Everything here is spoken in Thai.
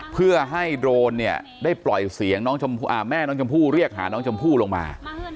เพื่อให้โดรนเนี่ยได้ปล่อยเสียงแม่น้องชมพู่เรียกหาน้องชมพู่ลงมา